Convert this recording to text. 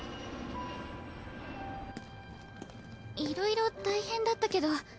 いろいろ大変だったけど。